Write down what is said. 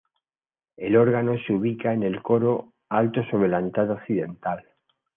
El órgano se ubica en el coro alto sobre la entrada occidental.